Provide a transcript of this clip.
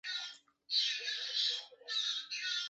他出生在德国。